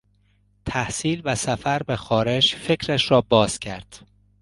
تحصیل و سفر به خارج فکرش را باز کرد.